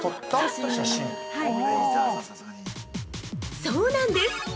◆そうなんです。